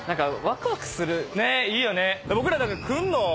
いいよね。